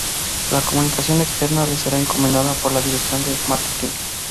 La comunicación externa le será encomendada por la dirección de marketing.